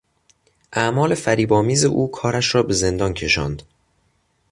اعمال فریبآمیز او کارش را به زندان کشاند.